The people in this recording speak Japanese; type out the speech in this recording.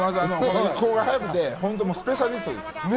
動きが速くてスペシャリストです。